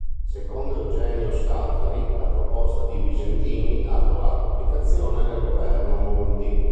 Secondo Eugenio Scalfari, la proposta di Visentini ha trovato applicazione nel governo Monti.